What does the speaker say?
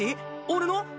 俺の？